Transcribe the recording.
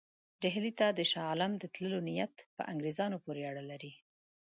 ډهلي ته د شاه عالم د تللو نیت په انګرېزانو پورې اړه لري.